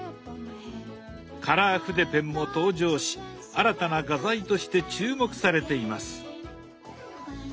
カラー筆ペンも登場し新たな画材として注目されています。